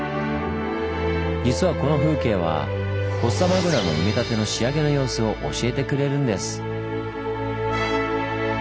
実はこの風景はフォッサマグナの埋め立ての仕上げの様子を教えてくれるんです。